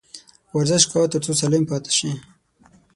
ورزش کوه ، تر څو سالم پاته سې